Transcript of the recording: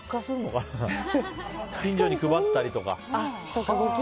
誰かに配ったりとか。